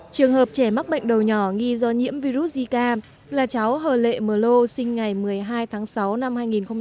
trường hợp trẻ mắc bệnh đầu nhỏ nghi do nhiễm virus zika là cháu hờ lệ mờ lô sinh ngày một mươi hai tháng sáu năm hai nghìn một mươi